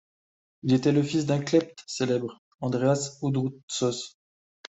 Il était le fils d'un klephte célèbre, Andréas Androútsos.